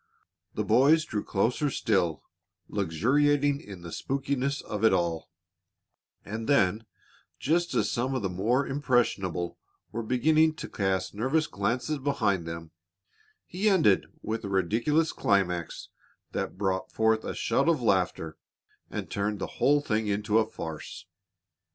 The boys drew closer still, luxuriating in the "spookiness" of it all, and then, just as some of the more impressionable were beginning to cast nervous glances behind them, he ended with a ridiculous climax that brought forth a shout of laughter and turned the whole thing into a farce.